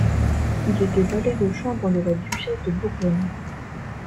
Il était valet de chambre de la duchesse de Bourgogne.